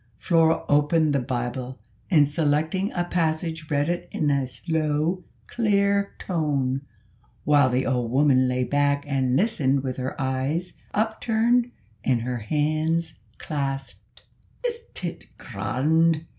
Flora opened the Bible, and, selecting a passage, read it in a slow, clear tone, while the old woman lay back and listened with her eyes upturned and her hands clasped. "Isn't it grawnd?"